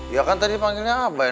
ya kan tadi panggilnya abah ya